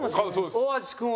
大橋君は？